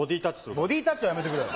ボディータッチはやめてくれよ。